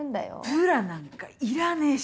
ブラなんかいらねえし。